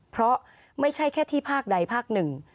เพราะไม่ใช่แค่ที่ภาคใดภาคหนึ่ง